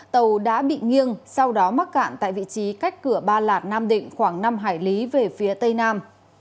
tàu đã bị nghiêng sau đó mắc cạn tại vị trí cách cửa ba lạt nam định khoảng năm hải lý về phía tây nam